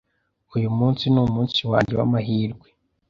Uyu munsi numunsi wanjye wamahirwe.